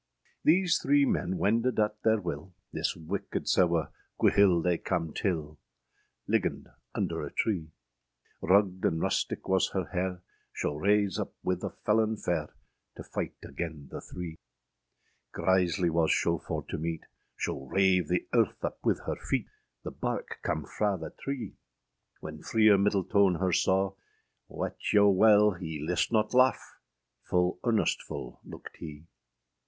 {130e} These three men wended at theyr wyll, This wickede sewe gwhyl they cam tyll, Liggand under a tree; Ruggâd and rustic was her here, Scho rase up wyth a felon fere, {131a} To fyght agen the three. Grizely was scho for to meete, Scho rave the earthe up wyth her feete, The barke cam fraâ the tree: When Freer Myddeltone her saugh, Wete yow wele hee list not laugh, Full earnestful luikâd hee.